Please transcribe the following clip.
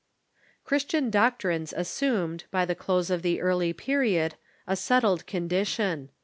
Christian doctrines assumed, by the close of the early period, a settled condition.